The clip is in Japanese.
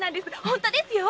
本当ですよ